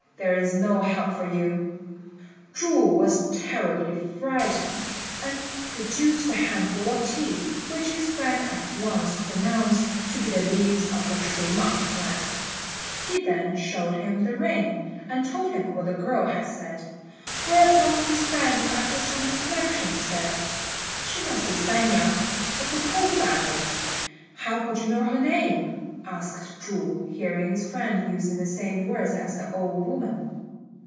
There is no help for you." Chu was terribly frightened, and produced the handful of tea, which his friend at once pronounced to be leaves of the shui mang plant. He then shewed him the ring, and told him what the girl had said; whereupon his friend, after some reflection, said, "She must be San niang, of the K'ou family." "How could you know her name?" asked Chu, hearing his friend use the same words as the old woman.